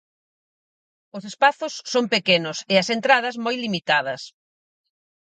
Os espazos son pequenos, e as entradas moi limitadas.